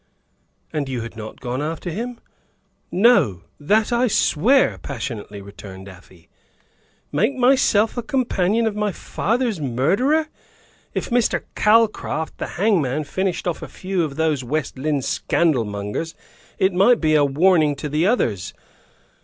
"And you had not gone after him?" "No; that I swear," passionately returned Afy. "Make myself a companion of my father's murderer! If Mr. Calcraft, the hangman, finished off a few of those West Lynne scandalmongers, it might be a warning to the others.